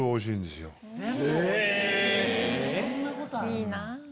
いいなぁ！